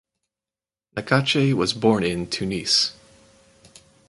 Naccache was born in Tunis.